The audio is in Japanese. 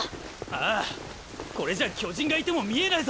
あぁこれじゃ巨人がいても見えないぞ！